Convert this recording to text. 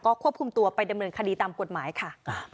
ควบคุมตัวไปดำเนินคดีตามกฎหมายค่ะ